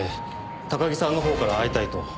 高木さんの方から会いたいと。